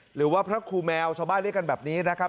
หรือว่าพระครูแมวชาวบ้านเรียกกันแบบนี้นะครับ